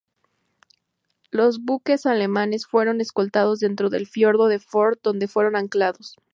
Los buques alemanes fueron escoltados dentro del Fiordo de Forth, donde fueron anclados.